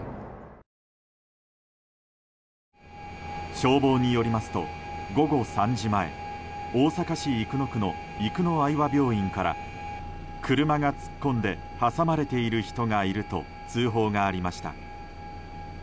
消防によりますと午後３時前大阪市生野区の生野愛和病院から車が突っ込んで挟まれている人がいると通報がありました。